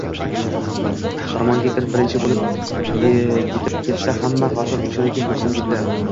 Xirmonga kim birinchi bo’lib yetib kelsa, hamma hosil o’shaniki bo’lsin, — debdi